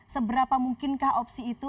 seberapa mungkin kah opsi itu